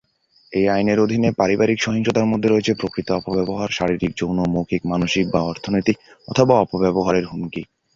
এই আইনের অধীনে পারিবারিক সহিংসতার মধ্যে রয়েছে প্রকৃত অপব্যবহার, শারীরিক, যৌন, মৌখিক, মানসিক বা অর্থনৈতিক অথবা অপব্যবহারের হুমকি।